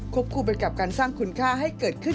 คู่ไปกับการสร้างคุณค่าให้เกิดขึ้น